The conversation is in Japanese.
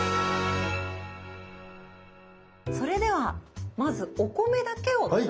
それではまずお米だけを食べてみて下さい。